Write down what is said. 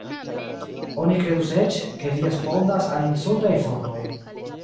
Oni kredus eĉ, ke li respondas al insultaj vortoj.